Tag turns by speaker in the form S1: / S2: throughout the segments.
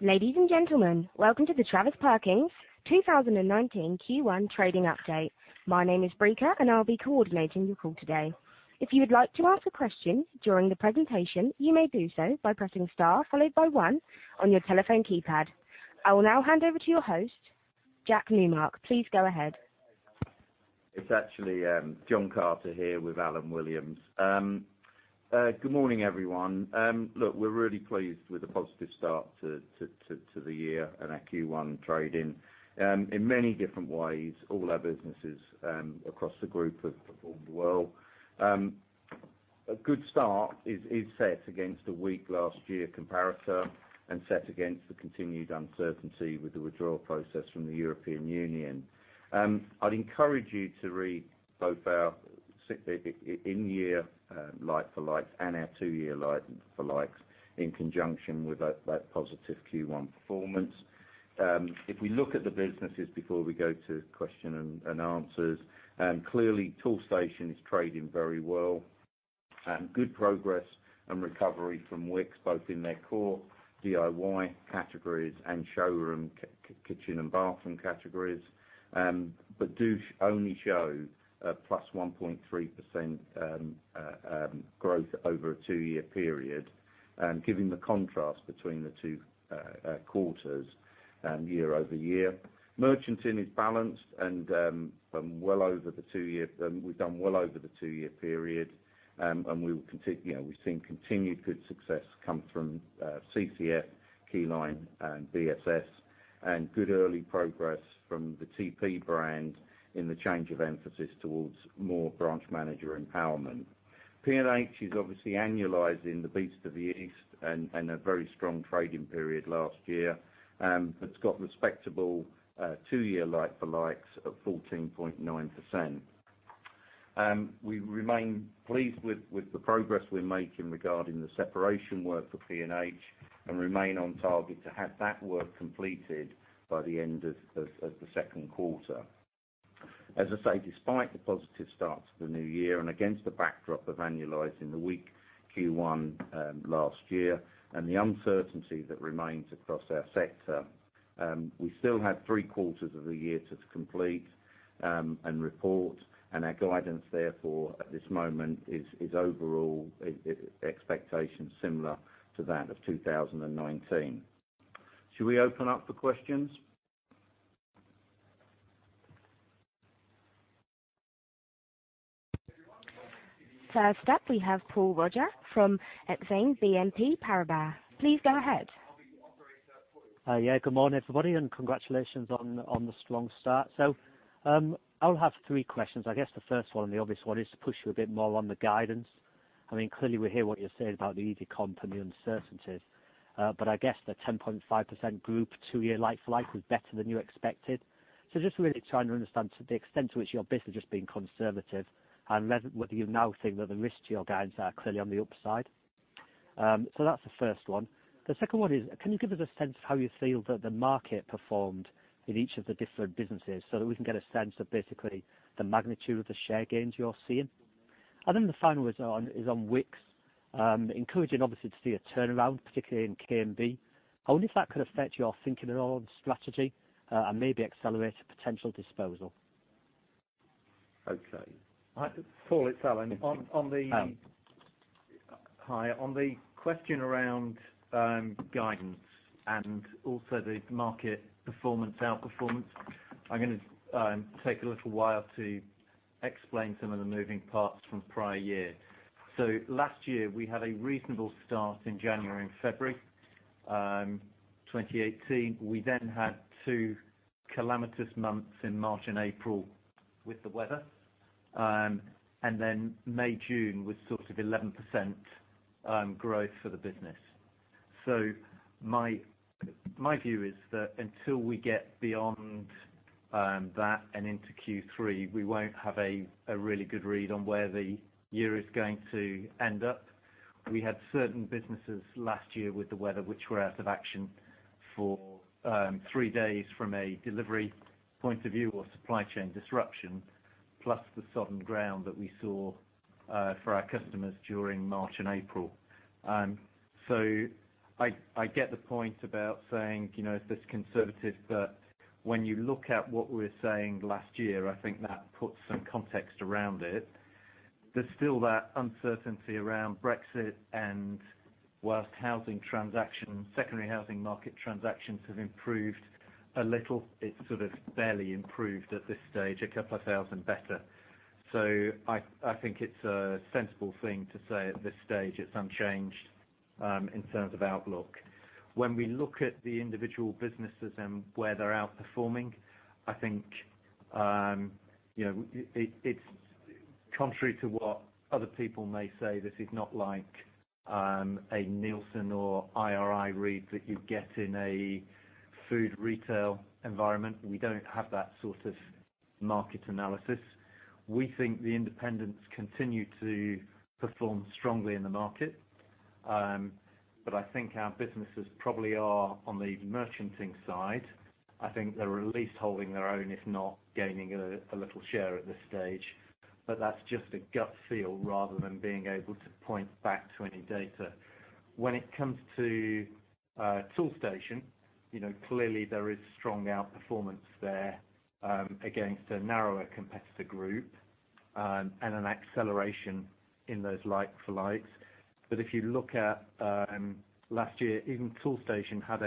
S1: Ladies and gentlemen, welcome to the Travis Perkins 2019 Q1 trading update. My name is Brica, and I will be coordinating your call today. If you would like to ask a question during the presentation, you may do so by pressing star followed by one on your telephone keypad. I will now hand over to your host, John Carter. Please go ahead.
S2: It is actually John Carter here with Alan Williams. Good morning, everyone. Look, we are really pleased with the positive start to the year and our Q1 trading. In many different ways, all our businesses across the group have performed well. A good start is set against a weak last year comparator and set against the continued uncertainty with the withdrawal process from the European Union. I would encourage you to read both our in-year like-for-likes and our two-year like-for-likes in conjunction with that positive Q1 performance. If we look at the businesses before we go to question and answers, clearly Toolstation is trading very well. Good progress and recovery from Wickes, both in their core DIY categories and showroom kitchen and bathroom categories. Do only show a +1.3% growth over a two-year period, giving the contrast between the two quarters year-over-year. Merchanting is balanced and we have done well over the two-year period. We have seen continued good success come from CCF, Keyline, and BSS, and good early progress from the TP brand in the change of emphasis towards more branch manager empowerment. PNH is obviously annualizing the Beast from the East and a very strong trading period last year. It has got respectable two-year like-for-likes of 14.9%. We remain pleased with the progress we are making regarding the separation work for PNH and remain on target to have that work completed by the end of the second quarter. As I say, despite the positive start to the new year and against the backdrop of annualizing the weak Q1 last year and the uncertainty that remains across our sector, we still have three quarters of the year to complete and report. Our guidance, therefore, at this moment is overall expectation similar to that of 2019. Should we open up for questions?
S1: First up, we have Paul Roger from Exane BNP Paribas. Please go ahead.
S3: Good morning, everybody, and congratulations on the strong start. I'll have three questions. I guess the first one and the obvious one is to push you a bit more on the guidance. Clearly we hear what you're saying about the easy comp and the uncertainties, I guess the 10.5% group two-year like-for-like was better than you expected. Just really trying to understand to the extent to which your business is just being conservative and whether you now think that the risks to your guidance are clearly on the upside. That's the first one. The second one is, can you give us a sense of how you feel that the market performed in each of the different businesses so that we can get a sense of basically the magnitude of the share gains you're seeing? The final is on Wickes. Encouraging obviously to see a turnaround, particularly in K&B. I wonder if that could affect your thinking at all on strategy, and maybe accelerate a potential disposal.
S2: Okay.
S4: Paul, it's Alan.
S3: Hi.
S4: Hi. On the question around guidance and also the market performance, outperformance, I'm going to take a little while to explain some of the moving parts from prior year. Last year, we had a reasonable start in January and February 2018. We had two calamitous months in March and April with the weather. May, June was sort of 11% growth for the business. My view is that until we get beyond that and into Q3, we won't have a really good read on where the year is going to end up. We had certain businesses last year with the weather, which were out of action for three days from a delivery point of view or supply chain disruption, plus the sodden ground that we saw for our customers during March and April. I get the point about saying, is this conservative? When you look at what we were saying last year, I think that puts some context around it. There's still that uncertainty around Brexit and whilst secondary housing market transactions have improved a little, it's sort of barely improved at this stage, a couple of thousand better. I think it's a sensible thing to say at this stage it's unchanged in terms of outlook. When we look at the individual businesses and where they're outperforming, I think it's contrary to what other people may say, this is not like a Nielsen or IRI read that you'd get in a food retail environment. We don't have that sort of market analysis. We think the independents continue to perform strongly in the market. But I think our businesses probably are on the Merchanting side. I think they're at least holding their own, if not gaining a little share at this stage, but that's just a gut feel rather than being able to point back to any data. When it comes to Toolstation, clearly there is strong outperformance there against a narrower competitor group and an acceleration in those like-for-likes. If you look at last year, even Toolstation had,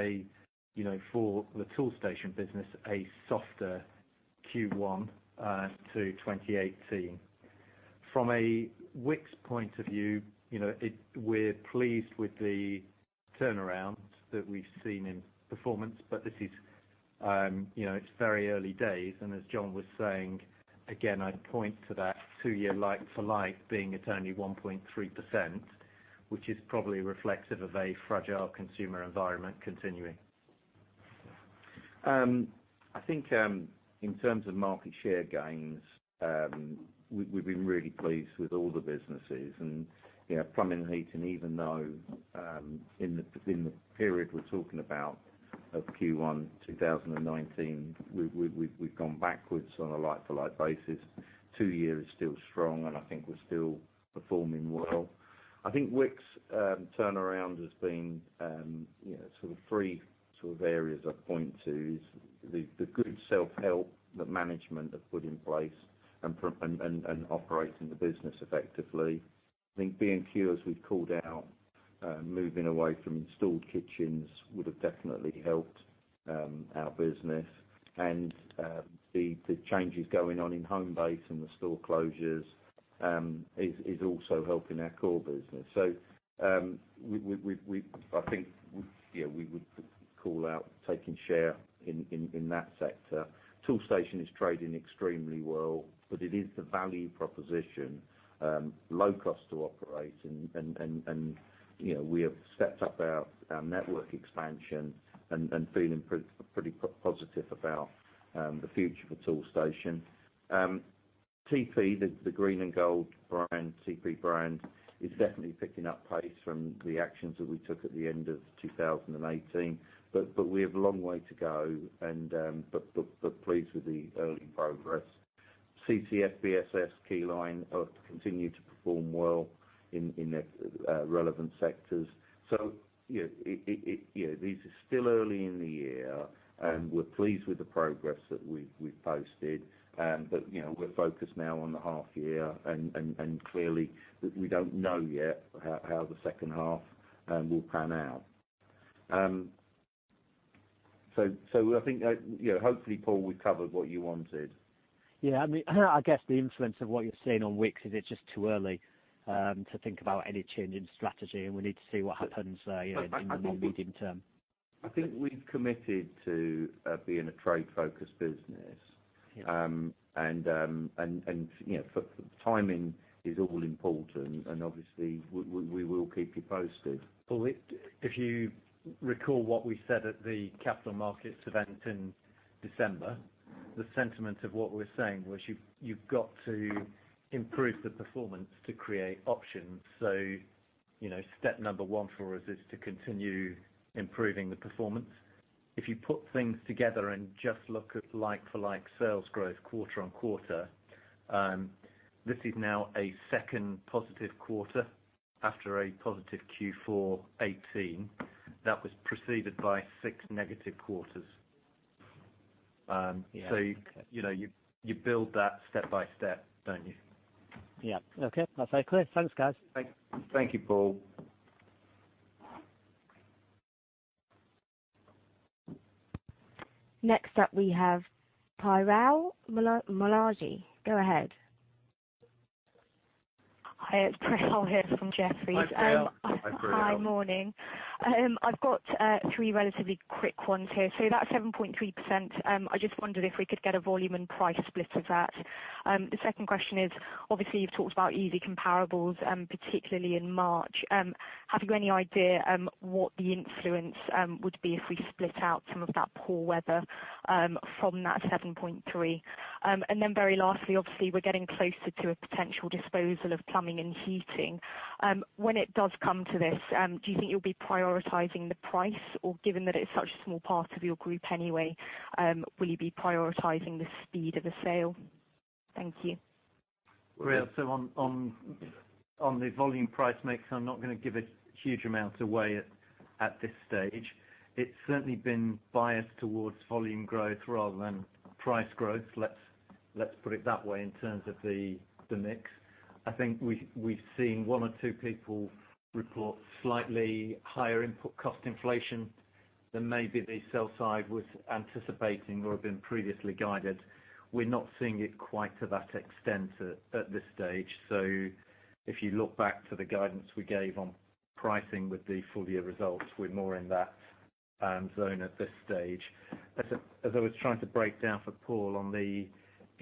S4: for the Toolstation business, a softer Q1 to 2018. From a Wickes point of view, we're pleased with the turnaround that we've seen in performance, but it's very early days, and as John was saying, again, I'd point to that two-year like-for-like being at only 1.3%, which is probably reflective of a fragile consumer environment continuing.
S2: I think in terms of market share gains, we've been really pleased with all the businesses. Plumbing & Heating, even though in the period we're talking about of Q1 2019, we've gone backwards on a like-for-like basis, two year is still strong and I think we're still performing well. I think Wickes turnaround has been sort of three areas I'd point to is the good self-help that management have put in place and operating the business effectively. I think B&Q, as we've called out, moving away from installed kitchens would have definitely helped our business, and the changes going on in Homebase and the store closures is also helping our core business. I think we would call out taking share in that sector. Toolstation is trading extremely well, but it is the value proposition, low cost to operate and we have stepped up our network expansion and feeling pretty positive about the future for Toolstation. TP, the green and gold brand, TP brand, is definitely picking up pace from the actions that we took at the end of 2018, but we have a long way to go, but pleased with the early progress. CCF, BSS, Keyline continue to perform well in relevant sectors. These are still early in the year, and we're pleased with the progress that we've posted, but we're focused now on the half year and clearly we don't know yet how the second half will pan out. I think, hopefully, Paul, we've covered what you wanted.
S3: Yeah, I guess the influence of what you're seeing on Wickes, is it just too early to think about any change in strategy, and we need to see what happens there in the medium term?
S2: I think we've committed to being a trade-focused business.
S3: Yeah.
S2: Timing is all important and obviously we will keep you posted.
S4: Paul, if you recall what we said at the capital markets event in December, the sentiment of what we're saying was you've got to improve the performance to create options. Step number 1 for us is to continue improving the performance. If you put things together and just look at like-for-like sales growth quarter-on-quarter, this is now a second positive quarter after a positive Q4 2018 that was preceded by six negative quarters.
S3: Yeah.
S4: You build that step by step, don't you?
S3: Yeah. Okay, that's very clear. Thanks, guys.
S2: Thank you, Paul.
S1: Next up, we have Pierral Malaji. Go ahead.
S5: Hi, it's Pierral here from Jefferies.
S2: Hi, Pierral.
S4: Hi, Pierral.
S5: Hi, morning. I've got three relatively quick ones here. That 7.3%, I just wondered if we could get a volume and price split of that. The second question is, obviously you've talked about easy comparables, particularly in March. Have you any idea what the influence would be if we split out some of that poor weather from that 7.3? Very lastly, obviously we're getting closer to a potential disposal of Plumbing & Heating. When it does come to this, do you think you'll be prioritizing the price or given that it's such a small part of your group anyway, will you be prioritizing the speed of the sale? Thank you.
S4: Pierral, on the volume price mix, I'm not going to give a huge amount away at this stage. It's certainly been biased towards volume growth rather than price growth, let's put it that way in terms of the mix. I think we've seen one or two people report slightly higher input cost inflation than maybe the sell side was anticipating or have been previously guided. We're not seeing it quite to that extent at this stage. If you look back to the guidance we gave on pricing with the full year results, we're more in that zone at this stage. As I was trying to break down for Paul on the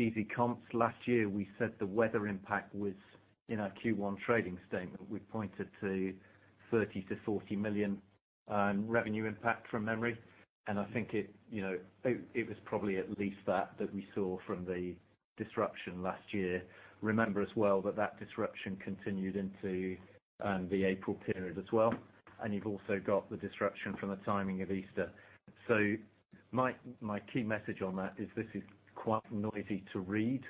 S4: easy comps last year, we said the weather impact was in our Q1 trading statement. We pointed to 30 million-40 million
S2: Revenue impact from memory, and I think it was probably at least that we saw from the disruption last year. Remember as well that that disruption continued into the April period as well, and you've also got the disruption from the timing of Easter. My key message on that is this is quite noisy to read,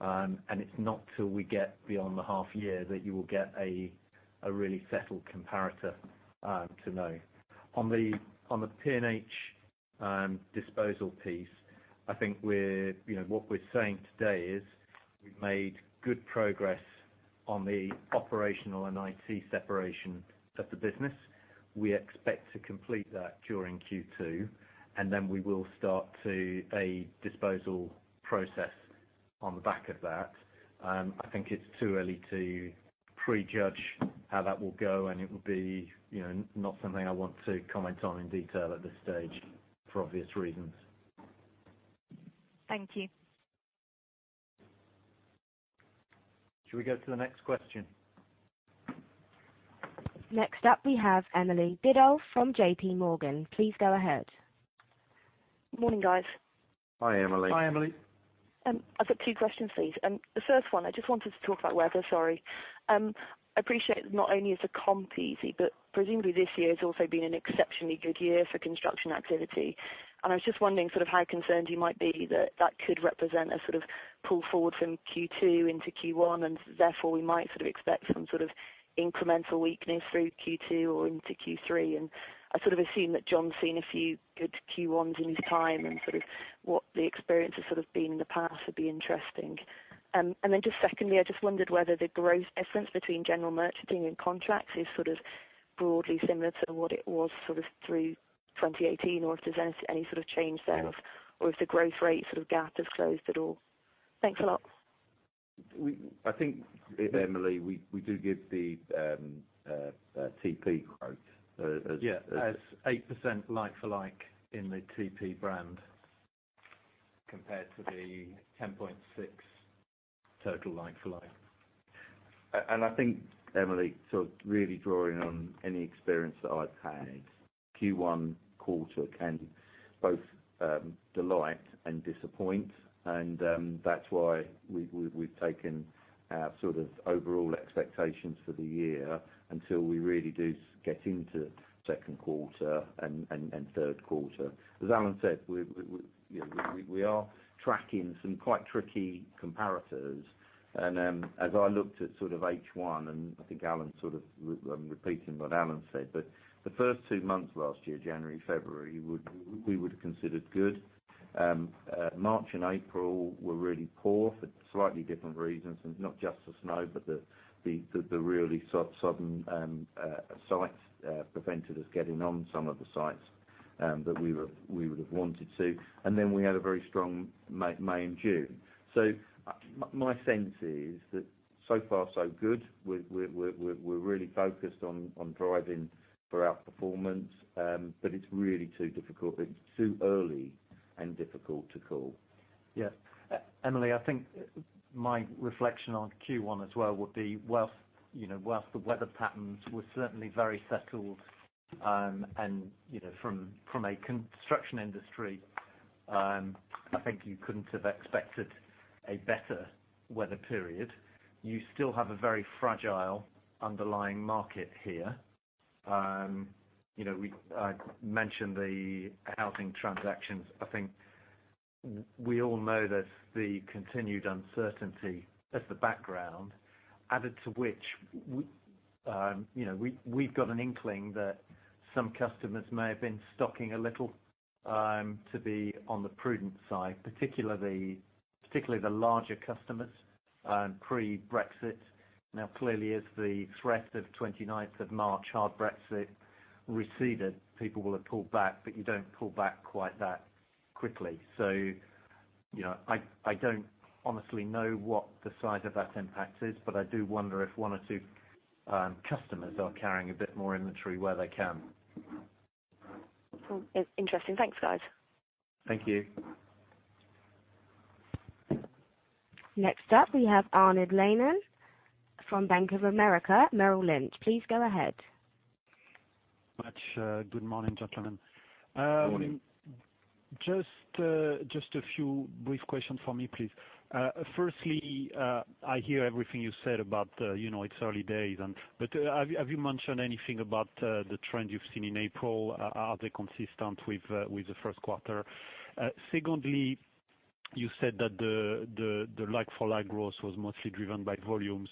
S2: and it's not till we get beyond the half year that you will get a really settled comparator to know. On the P&H disposal piece, I think what we're saying today is we've made good progress on the operational and IT separation of the business. We expect to complete that during Q2, and then we will start to a disposal process on the back of that. I think it's too early to prejudge how that will go, and it would be not something I want to comment on in detail at this stage, for obvious reasons.
S5: Thank you.
S2: Should we go to the next question?
S1: Next up, we have Emily Biddle from JPMorgan. Please go ahead.
S6: Morning, guys.
S2: Hi, Emily.
S4: Hi, Emily.
S6: I've got two questions, please. The first one, I just wanted to talk about weather. Sorry. I appreciate not only is the comp easy, but presumably this year has also been an exceptionally good year for construction activity. I was just wondering how concerned you might be that that could represent a pull forward from Q2 into Q1, and therefore we might expect some sort of incremental weakness through Q2 or into Q3. I assume that John's seen a few good Q1s in his time, and what the experience has been in the past would be interesting. Just secondly, I just wondered whether the growth difference between general Merchanting and contracts is broadly similar to what it was through 2018, or if there's any sort of change there, or if the growth rate gap has closed at all. Thanks a lot.
S2: I think, Emily, we do give the TP quote.
S4: Yeah, as 8% like for like in the TP brand, compared to the 10.6 total like for like.
S2: I think, Emily, really drawing on any experience that I've had, Q1 quarter can both delight and disappoint, and that's why we've taken our overall expectations for the year until we really do get into second quarter and third quarter. As Alan said, we are tracking some quite tricky comparators, and as I looked at H1, and I think I'm repeating what Alan said, but the first two months last year, January, February, we would have considered good. March and April were really poor for slightly different reasons, and not just the snow, but the really sudden sites prevented us getting on some of the sites that we would have wanted to. Then we had a very strong May and June. My sense is that so far so good. We're really focused on driving for outperformance, but it's really too early and difficult to call.
S4: Yeah. Emily, I think my reflection on Q1 as well would be, whilst the weather patterns were certainly very settled, and from a construction industry, I think you couldn't have expected a better weather period. You still have a very fragile underlying market here. I mentioned the housing transactions. I think we all know that the continued uncertainty as the background, added to which, we've got an inkling that some customers may have been stocking a little to be on the prudent side, particularly the larger customers pre-Brexit. Now, clearly as the threat of 29th of March hard Brexit receded, people will have pulled back, but you don't pull back quite that quickly. I don't honestly know what the size of that impact is, but I do wonder if one or two customers are carrying a bit more inventory where they can.
S6: Interesting. Thanks, guys.
S4: Thank you.
S1: Next up, we have Arnaud Lannen from Bank of America Merrill Lynch. Please go ahead.
S7: Much. Good morning, gentlemen.
S2: Morning.
S7: Just a few brief questions from me, please. Firstly, I hear everything you said about it's early days. Have you mentioned anything about the trend you've seen in April? Are they consistent with the first quarter? Secondly, you said that the like-for-like growth was mostly driven by volumes,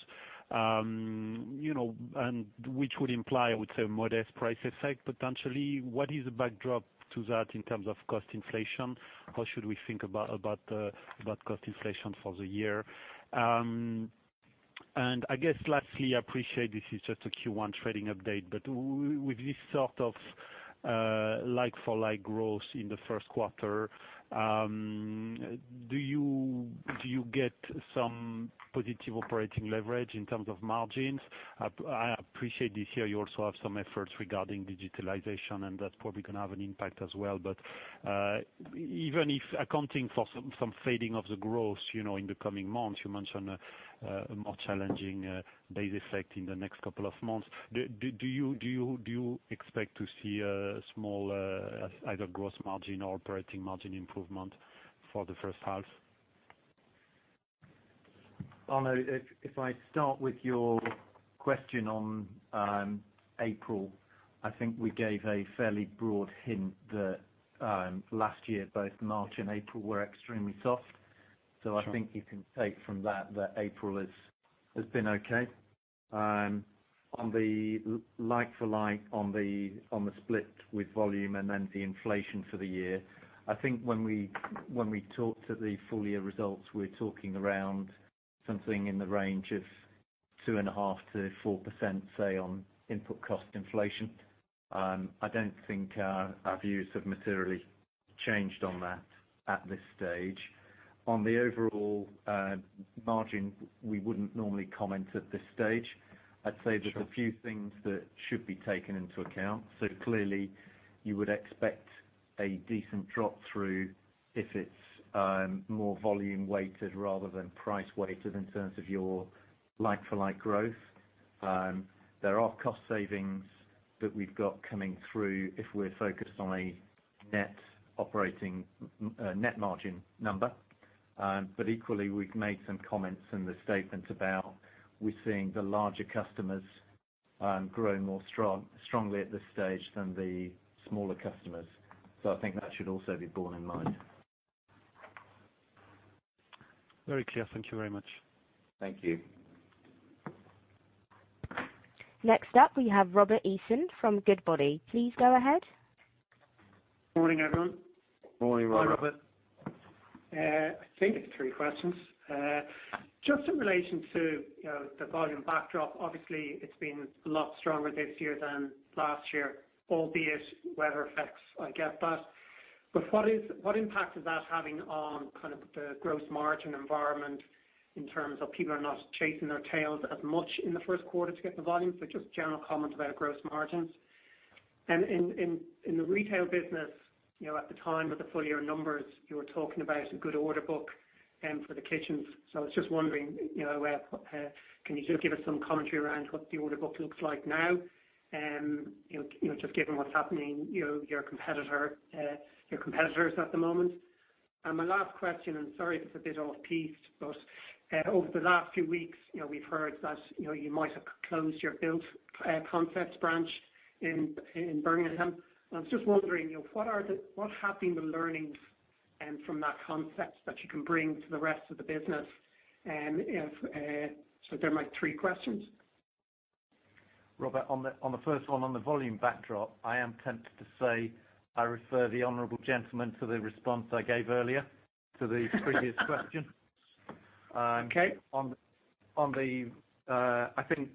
S7: which would imply, I would say, a modest price effect potentially. What is the backdrop to that in terms of cost inflation? How should we think about cost inflation for the year? I guess lastly, I appreciate this is just a Q1 trading update, but with this sort of like for like growth in the first quarter, do you get some positive operating leverage in terms of margins? I appreciate this year you also have some efforts regarding digitalization, and that's probably going to have an impact as well. Even if accounting for some fading of the growth in the coming months, you mentioned a more challenging base effect in the next couple of months. Do you expect to see a small either gross margin or operating margin improvement for the first half?
S4: Arnaud, if I start with your question on April, I think we gave a fairly broad hint that last year, both March and April were extremely soft.
S7: Sure.
S4: I think you can take from that April has been okay. On the like-for-like on the split with volume and the inflation for the year, I think when we talked at the full-year results, we were talking around something in the range of two and a half to 4%, say, on input cost inflation. I don't think our views have materially changed on that at this stage. On the overall margin, we wouldn't normally comment at this stage.
S7: Sure.
S4: I'd say there's a few things that should be taken into account. Clearly you would expect a decent drop through if it's more volume weighted rather than price weighted in terms of your like-for-like growth. There are cost savings that we've got coming through if we're focused on a net margin number. Equally, we've made some comments in the statement about we're seeing the larger customers grow more strongly at this stage than the smaller customers. I think that should also be borne in mind.
S7: Very clear. Thank you very much.
S4: Thank you.
S1: Next up, we have Robert Eason from Goodbody. Please go ahead.
S8: Morning, everyone.
S2: Morning, Robert.
S4: Hi, Robert.
S8: I think three questions. Just in relation to the volume backdrop. Obviously, it's been a lot stronger this year than last year, albeit weather effects, I get that. What impact is that having on the gross margin environment in terms of people are not chasing their tails as much in the first quarter to get the volumes? Just general comment about gross margins. In the retail business, at the time of the full-year numbers, you were talking about a good order book for the kitchens. I was just wondering, can you just give us some commentary around what the order book looks like now? Just given what's happening, your competitors at the moment. My last question, I'm sorry if it's a bit off-piste, over the last few weeks, we've heard that you might have closed your BILT Concepts branch in Birmingham. I was just wondering, what have been the learnings from that concept that you can bring to the rest of the business? They're my three questions.
S4: Robert, on the first one, on the volume backdrop, I am tempted to say I refer the honorable gentleman to the response I gave earlier to the previous question.
S8: Okay.
S4: I think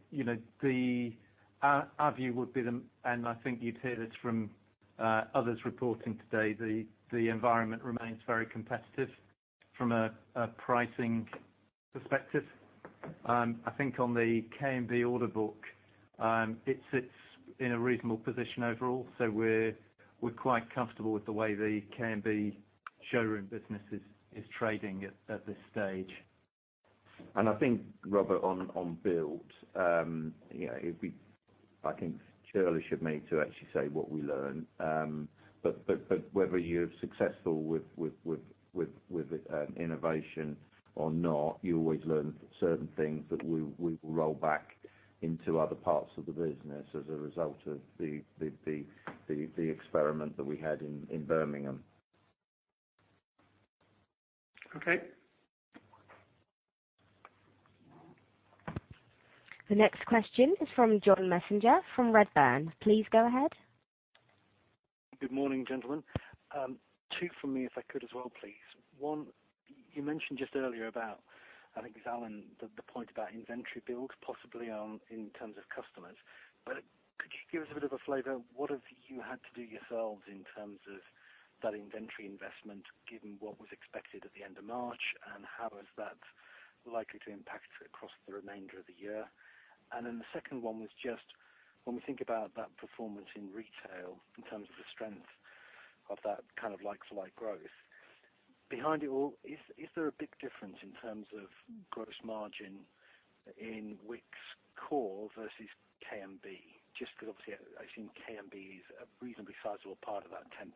S4: our view would be, I think you'd hear this from others reporting today, the environment remains very competitive from a pricing perspective. I think on the K&B order book, it sits in a reasonable position overall. We're quite comfortable with the way the K&B showroom business is trading at this stage.
S2: I think Robert, on BILT, I think Shirley should maybe actually say what we learn. Whether you're successful with innovation or not, you always learn certain things that we will roll back into other parts of the business as a result of the experiment that we had in Birmingham.
S8: Okay.
S1: The next question is from John Messenger from Redburn. Please go ahead.
S9: Good morning, gentlemen. Two from me, if I could as well, please. One, you mentioned just earlier about, I think it was Alan, the point about inventory build possibly in terms of customers. Could you give us a bit of a flavor, what have you had to do yourselves in terms of that inventory investment, given what was expected at the end of March, and how is that likely to impact across the remainder of the year? The second one was just when we think about that performance in retail in terms of the strength of that like-for-like growth, behind it all, is there a big difference in terms of gross margin in Wickes core versus K&B? Just because obviously I think K&B is a reasonably sizable part of that 10%.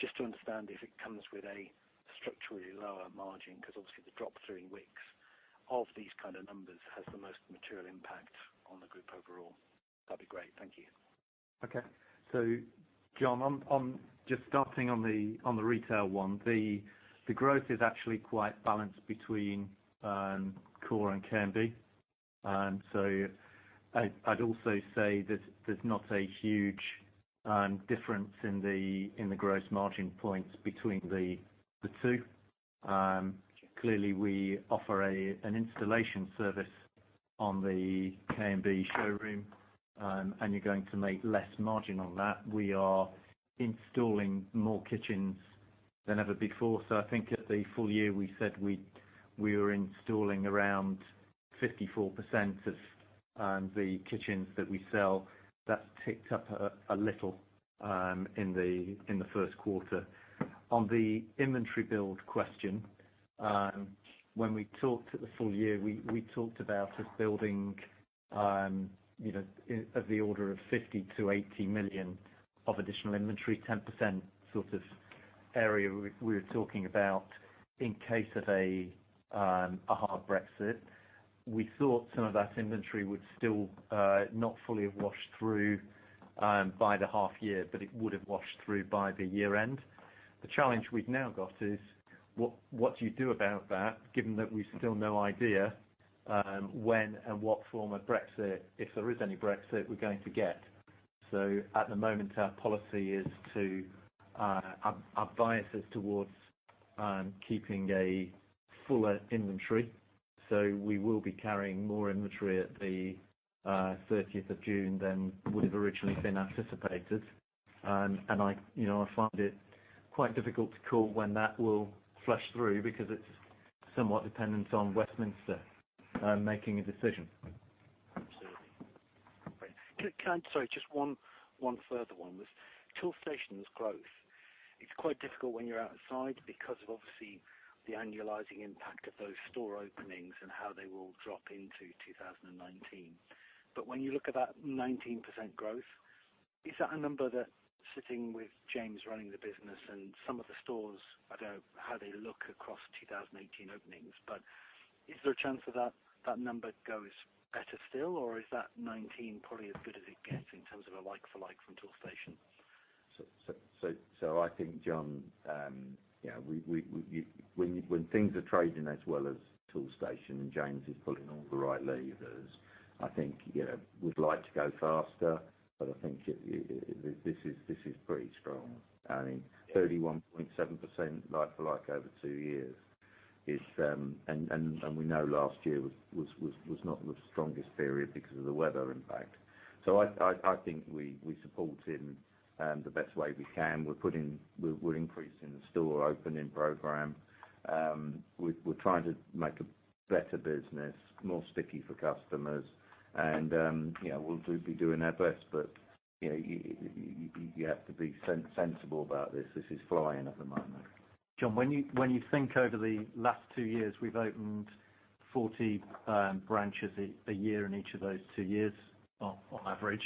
S9: Just to understand if it comes with a structurally lower margin, because obviously the drop through in Wickes of these kind of numbers has the most material impact on the group overall. That'd be great. Thank you.
S4: Okay. John, just starting on the retail one, the growth is actually quite balanced between core and K&B. I'd also say there's not a huge difference in the gross margin points between the two. Clearly, we offer an installation service on the K&B showroom, and you're going to make less margin on that. We are installing more kitchens than ever before. I think at the full year, we said we were installing around 54% of the kitchens that we sell. That ticked up a little in the first quarter. On the inventory build question, when we talked at the full year, we talked about us building of the order of 50 million-80 million of additional inventory, 10% sort of area we were talking about in case of a hard Brexit. We thought some of that inventory would still not fully have washed through by the half year, but it would have washed through by the year-end. The challenge we've now got is what do you do about that, given that we've still no idea when and what form of Brexit, if there is any Brexit, we're going to get. Our bias is towards keeping a fuller inventory. We will be carrying more inventory at the 30th of June than would have originally been anticipated. I find it quite difficult to call when that will flush through because it's somewhat dependent on Westminster making a decision. Absolutely. Great. Sorry, just one further one. With Toolstation's growth, it's quite difficult when you're outside because of obviously the annualizing impact of those store openings and how they will drop into 2019.
S9: When you look at that 19% growth, is that a number that sitting with James running the business and some of the stores, I don't know how they look across 2018 openings, but is there a chance that that number goes better still, or is that 19% probably as good as it gets in terms of a like for like from Toolstation?
S2: I think, John, when things are trading as well as Toolstation and James is pulling all the right levers, I think we'd like to go faster, but I think this is pretty strong. 31.7% like for like over two years. We know last year was not the strongest period because of the weather impact. I think we support him the best way we can. We're increasing the store opening program. We're trying to make a better business, more sticky for customers, and we'll be doing our best, but you have to be sensible about this. This is flying at the moment. John, when you think over the last two years, we've opened 40 branches a year in each of those two years, on average.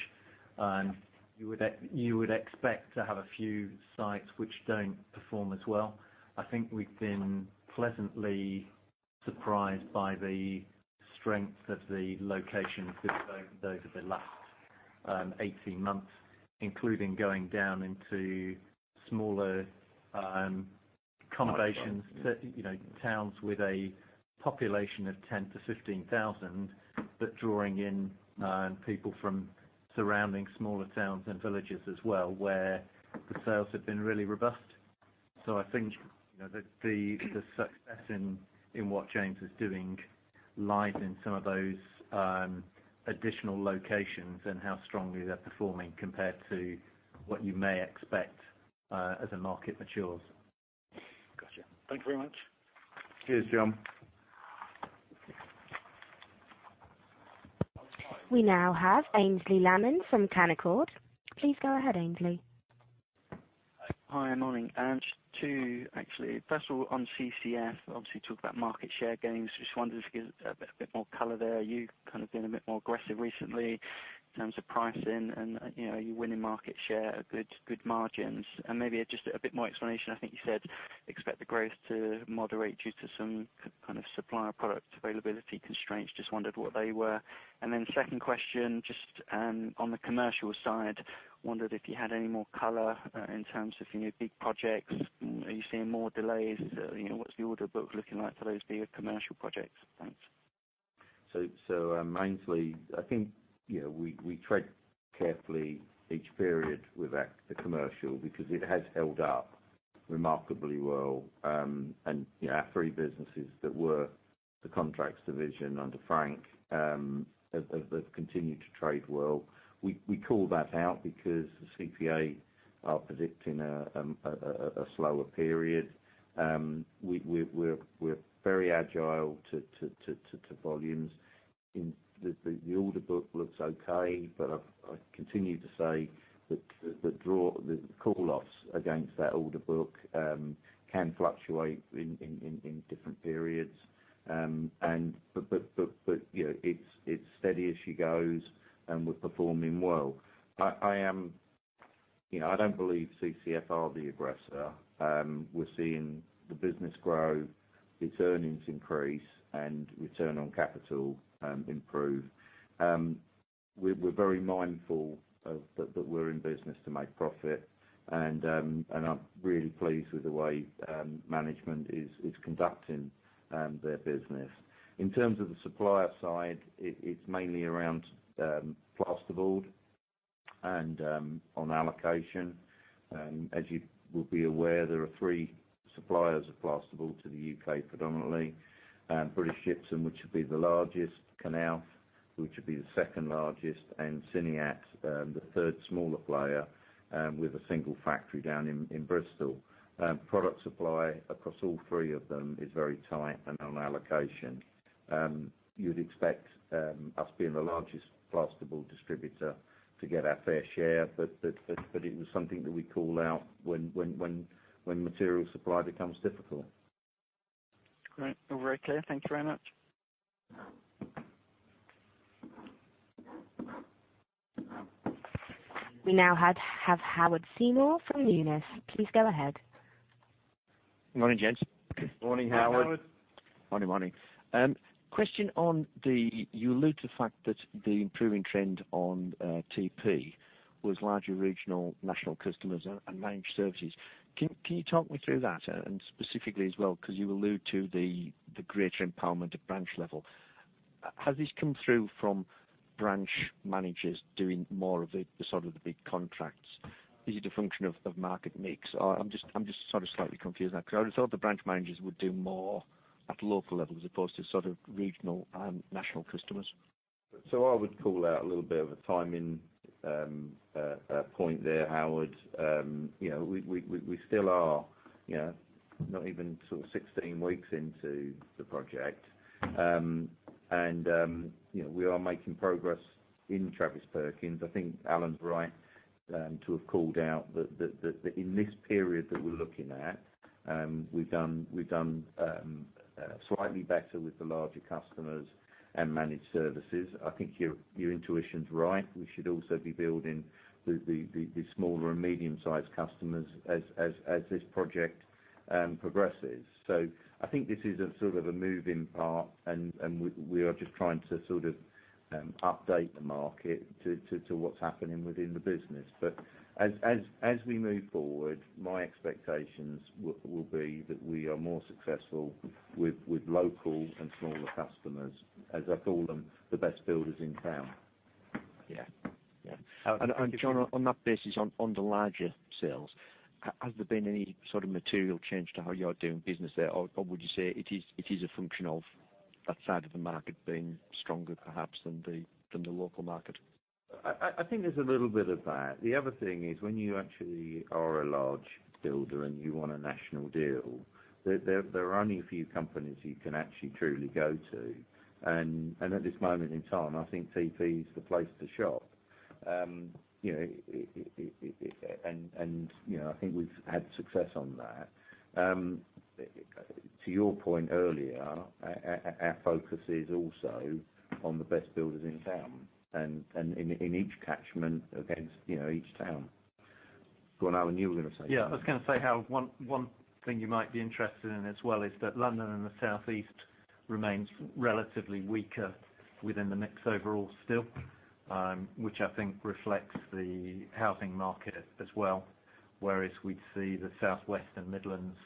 S2: You would expect to have a few sites which don't perform as well. I think we've been pleasantly surprised by the strength of the locations that we've opened over the last 18 months, including going down into smaller accommodations, towns with a population of 10,000 to 15,000, but drawing in people from surrounding smaller towns and villages as well, where the sales have been really robust. I think the success in what James is doing lies in some of those additional locations and how strongly they're performing compared to what you may expect as the market matures.
S9: Got you. Thank you very much.
S2: Cheers, John.
S1: We now have Aynsley Lammin from Canaccord. Please go ahead, Aynsley.
S10: Hi, morning. Two, actually. First of all, on CCF, obviously, you talked about market share gains. Just wondered if you could give us a bit more color there. You kind of been a bit more aggressive recently in terms of pricing and you're winning market share at good margins. Maybe just a bit more explanation. I think you said expect the growth to moderate due to some kind of supplier product availability constraints. Just wondered what they were. Second question, just on the commercial side, wondered if you had any more color in terms of big projects. Are you seeing more delays? What's the order book looking like for those bigger commercial projects? Thanks.
S2: Aynsley, I think we tread carefully each period with the commercial because it has held up remarkably well. Our three businesses that were the contracts division under Frank have continued to trade well. We call that out because the CPA are predicting a slower period. We're very agile to volumes, and the order book looks okay, but I continue to say that the draw, the call offs against that order book can fluctuate in different periods. It's steady as she goes, and we're performing well. I don't believe CCF are the aggressor. We're seeing the business grow, its earnings increase, and return on capital improve. We're very mindful that we're in business to make profit, and I'm really pleased with the way management is conducting their business. In terms of the supplier side, it's mainly around plasterboard On allocation, as you will be aware, there are three suppliers of plasterboard to the U.K., predominantly. British Gypsum, which would be the largest, Knauf, which would be the second-largest, and Siniat, the third smaller player with a single factory down in Bristol. Product supply across all three of them is very tight and on allocation. You'd expect us being the largest plasterboard distributor to get our fair share, but it was something that we call out when material supply becomes difficult.
S10: Great. All very clear. Thank you very much.
S1: We now have Howard Seymour from Numis. Please go ahead.
S11: Morning, gents.
S2: Morning, Howard.
S4: Morning, Howard.
S11: Morning. Question on the-- You allude to the fact that the improving trend on TP was largely regional national customers and Managed Services. Can you talk me through that? Specifically as well, because you allude to the greater empowerment at branch level. Has this come through from branch managers doing more of the big contracts? Is it a function of market mix, or I'm just slightly confused now because I would have thought the branch managers would do more at local level as opposed to regional and national customers.
S2: I would call out a little bit of a timing point there, Howard. We still are not even 16 weeks into the project. We are making progress in Travis Perkins. I think Alan's right to have called out that in this period that we're looking at, we've done slightly better with the larger customers and Managed Services. I think your intuition's right. We should also be building the smaller and medium-sized customers as this project progresses. I think this is a moving part, and we are just trying to update the market to what's happening within the business. As we move forward, my expectations will be that we are more successful with local and smaller customers, as I call them, the best builders in town.
S11: Yeah.
S2: Yeah.
S11: John, on that basis, on the larger sales, has there been any material change to how you're doing business there? Would you say it is a function of that side of the market being stronger, perhaps, than the local market?
S2: I think there's a little bit of that. The other thing is when you actually are a large builder and you want a national deal, there are only a few companies you can actually truly go to. At this moment in time, I think TP is the place to shop. I think we've had success on that. To your point earlier, our focus is also on the best builders in town and in each catchment against each town. Go on, Alan, you were going to say something.
S4: I was going to say how one thing you might be interested in as well is that London and the Southeast remains relatively weaker within the mix overall still, which I think reflects the housing market as well, whereas we'd see the Southwest and Midlands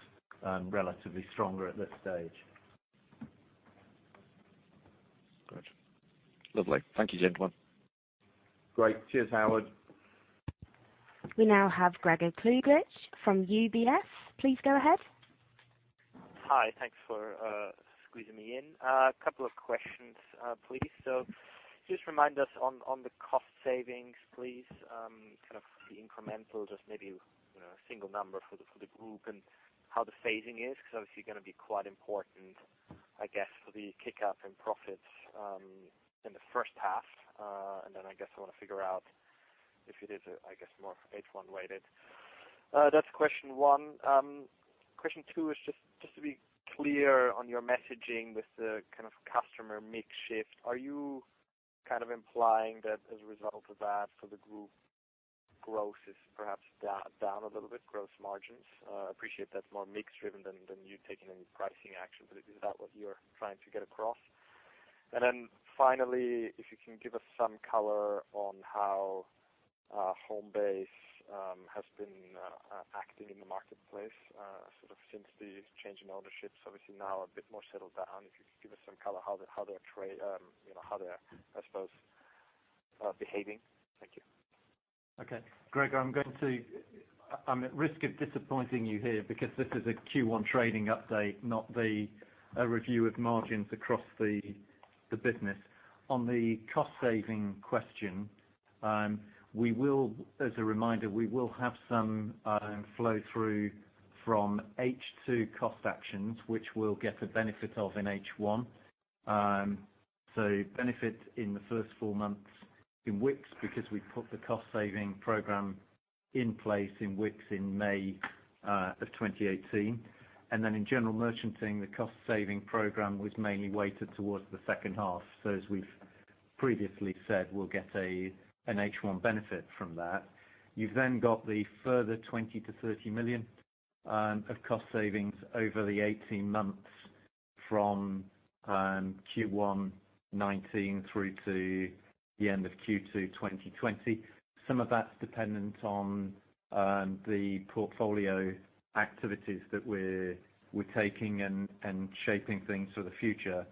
S4: relatively stronger at this stage.
S11: Got you. Lovely. Thank you, gentlemen.
S2: Great. Cheers, Howard.
S1: We now have Gregor Kuglitsch from UBS. Please go ahead.
S12: Hi. Thanks for squeezing me in. A couple of questions, please. Just remind us on the cost savings, please, kind of the incremental, just maybe a single number for the group and how the phasing is, because obviously, going to be quite important, I guess, for the kick-up in profits in the first half. I guess I want to figure out if it is, I guess, more H1-weighted. That's question one. Question two is just to be clear on your messaging with the kind of customer mix shift, are you implying that as a result of that, for the group growth is perhaps down a little bit, growth margins? I appreciate that's more mix driven than you taking any pricing action, but is that what you're trying to get across? Finally, if you can give us some color on how Homebase has been acting in the marketplace since the change in ownership. Obviously now a bit more settled down. If you could give us some color how they're, I suppose, behaving. Thank you.
S4: Okay. Gregor, I'm at risk of disappointing you here because this is a Q1 trading update, not the review of margins across the business. On the cost-saving question, as a reminder, we will have some flow through from H2 cost actions, which we'll get the benefit of in H1. Benefit in the first four months in Wickes because we put the cost-saving program in place in Wickes in May 2018. In general merchanting, the cost-saving program was mainly weighted towards the second half. As we've previously said, we'll get an H1 benefit from that. You've got the further 20 million-30 million of cost savings over the 18 months from Q1 2019 through to the end of Q2 2020. Some of that's dependent on the portfolio activities that we're taking and shaping things for the future.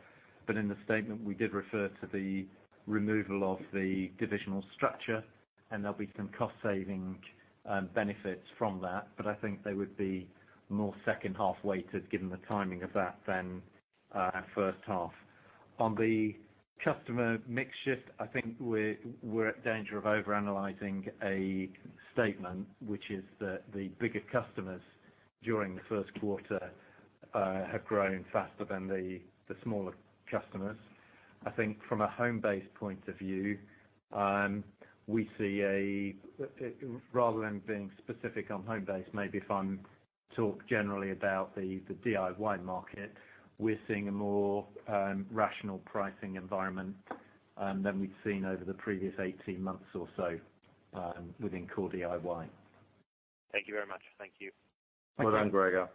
S4: In the statement, we did refer to the removal of the divisional structure, there'll be some cost-saving benefits from that. I think they would be more second-half-weighted given the timing of that than first half. On the customer mix shift, I think we're at danger of overanalyzing a statement, which is that the bigger customers during the first quarter have grown faster than the smaller customers. I think from a Homebase point of view, rather than being specific on Homebase, maybe if I talk generally about the DIY market, we're seeing a more rational pricing environment than we'd seen over the previous 18 months or so within core DIY.
S12: Thank you very much. Thank you.
S2: Well done, Gregor.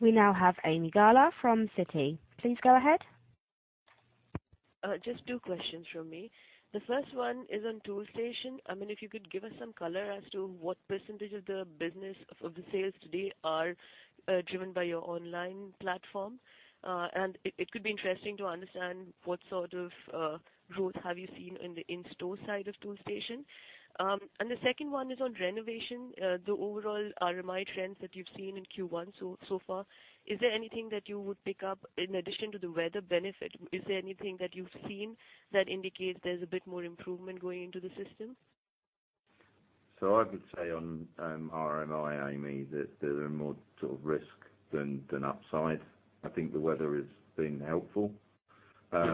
S1: We now have Ami Galla from Citi. Please go ahead.
S13: Just two questions from me. The first one is on Toolstation. If you could give us some color as to what percentage of the business of the sales today are driven by your online platform. It could be interesting to understand what sort of growth have you seen in the in-store side of Toolstation. The second one is on renovation, the overall RMI trends that you've seen in Q1 so far. Is there anything that you would pick up in addition to the weather benefit? Is there anything that you've seen that indicates there's a bit more improvement going into the system?
S2: I would say on RMI, Ami, that there are more risk than upside. I think the weather has been helpful.
S4: I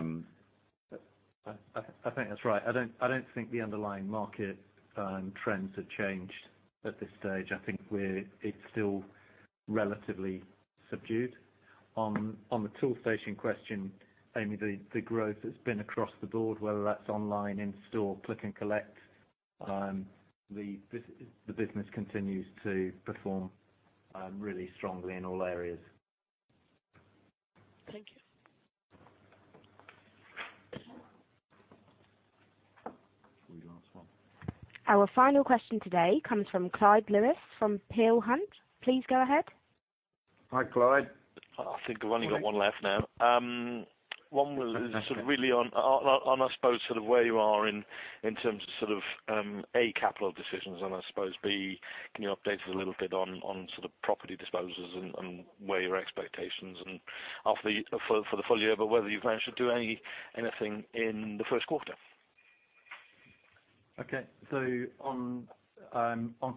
S4: think that's right. I don't think the underlying market trends have changed at this stage. I think it's still relatively subdued. On the Toolstation question, Ami, the growth that's been across the board, whether that's online, in store, click and collect, the business continues to perform really strongly in all areas.
S13: Thank you.
S2: We'll do last one.
S1: Our final question today comes from Clyde Lewis from Peel Hunt. Please go ahead.
S2: Hi, Clyde.
S14: I think I've only got one left now. One really on, I suppose, where you are in terms of, A, capital decisions, and I suppose, B, can you update us a little bit on property disposals and where are your expectations and for the full year, but whether you've managed to do anything in the first quarter?
S4: Okay. On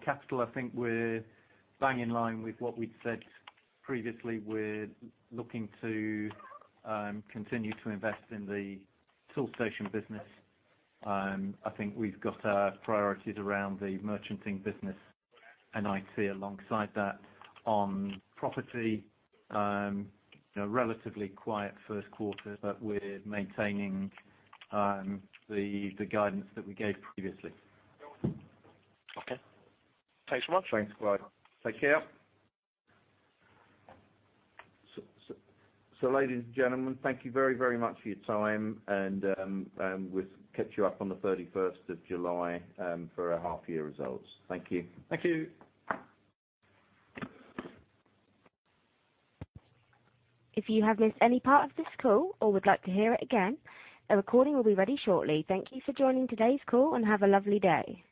S4: capital, I think we're bang in line with what we'd said previously. We're looking to continue to invest in the Toolstation business. I think we've got our priorities around the Merchanting business, and IT alongside that. On property, relatively quiet first quarter, but we're maintaining the guidance that we gave previously.
S14: Okay. Thanks so much.
S2: Thanks, Clyde. Take care. Ladies and gentlemen, thank you very much for your time, and we'll catch you up on the 31st of July for our half year results. Thank you.
S4: Thank you.
S1: If you have missed any part of this call or would like to hear it again, a recording will be ready shortly. Thank you for joining today's call and have a lovely day.